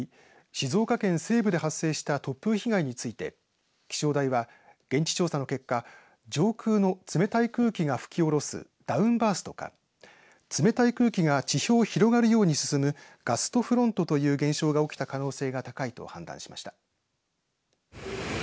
静岡県西部で発生した突風被害について気象台は、現地調査の結果上空の冷たい空気が吹き下ろすダウンバーストか冷たい空気が地表を広がるように進むガストフロントという現象が起きた可能性が高いと判断しました。